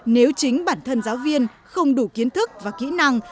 nếu chính bản thân giáo viên không đủ kiến thức và kỹ năng